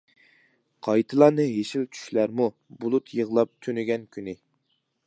قايتىلاندى يېشىل چۈشلەرمۇ، بۇلۇت يىغلاپ تۈنىگەن كۈنى.